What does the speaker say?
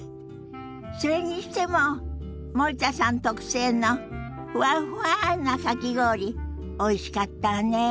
それにしても森田さん特製のふわっふわなかき氷おいしかったわね。